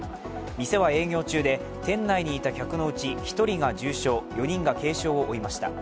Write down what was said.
店は営業中で、店内にいた客のうち１人が重傷４人が軽傷を負いました。